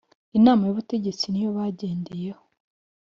Inama y Ubutegetsi niyo bagendeyeho